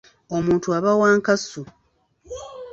Omuntu aba wa nkasu.